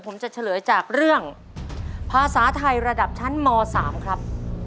ผมจะเฉลยจากเรื่องภาษาไทยระดับชั้นม๓ครับ